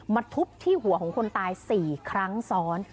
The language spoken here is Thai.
ทุบที่หัวของคนตาย๔ครั้งซ้อน